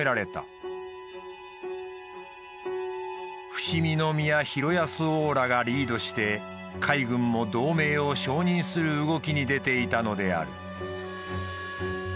伏見宮博恭王らがリードして海軍も同盟を承認する動きに出ていたのである。